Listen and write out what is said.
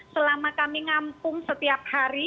selama kami ngampung setiap hari